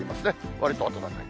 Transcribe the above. わりと暖かい。